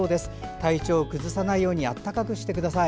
体調を崩さないように温かくしてください。